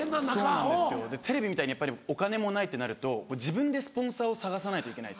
そうなんですよテレビみたいにやっぱりお金もないってなると自分でスポンサーを探さないといけない。